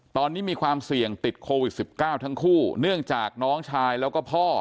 ตอนนี้มีความเสี่ยงติดโควิด๑๙ทั้งคู่เนื่องจากน้องชายแล้วก็พ่อ